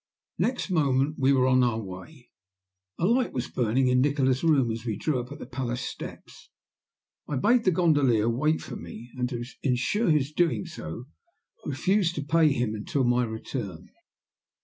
Next moment we were on our way. A light was burning in Nikola's room as we drew up at the palace steps. I bade the gondolier wait for me, and to ensure his doing so, refused to pay him until my return.